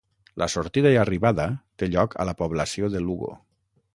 La sortida i arribada té lloc a la població de Lugo.